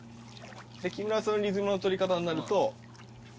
木村さんのリズムのとり方になると。